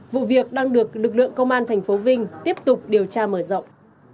vụ việc đang được lực lượng công an thành phố vinh tiếp tục điều tra mở rộng